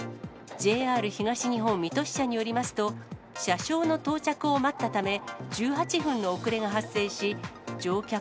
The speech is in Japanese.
ＪＲ東日本水戸支社によりますと、車掌の到着を待ったため、１８分の遅れが発生し、乗客